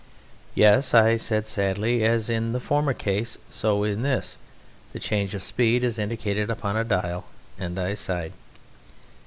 "Yes," said I sadly, "as in the former case so in this; the change of speed is indicated upon a dial." And I sighed.